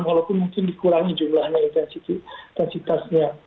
walaupun mungkin dikurangi jumlahnya intensitasnya